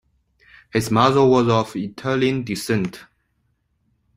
His mother was of Italian descent.